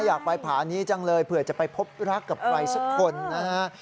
อยากไปผานี้จังเลยเผื่อจะไปพบรักกับใครสักคนนะฮะ